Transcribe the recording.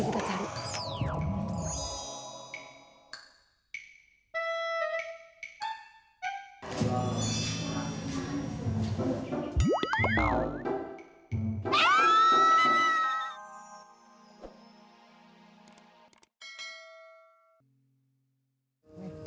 kalau dia lewat